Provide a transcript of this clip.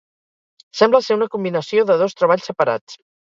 Sembla ser una combinació de dos treballs separats.